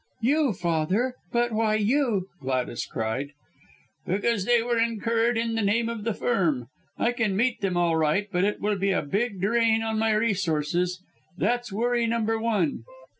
"You, Father! But why you?" Gladys cried. "Because they were incurred in the name of the Firm. I can meet them all right, but it will be a big drain on my resources. That's worry number one.